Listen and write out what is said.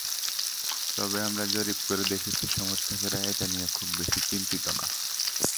তবে আমরা জরিপ করে দেখেছি সমর্থকেরা এটা নিয়ে খুব বেশি চিন্তিত নন।